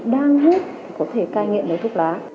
đang hút có thể cai nghiện với thuốc lá